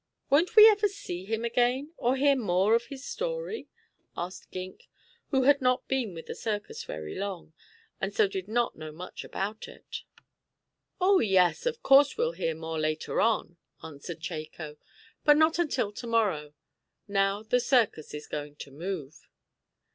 "Won't we ever see him again, or hear more of his story?" asked Gink, who had not been with the circus very long, and so did not know much about it. "Oh, yes, of course we'll hear more later on," answered Chako, "but not until tomorrow. Now the circus is going to move."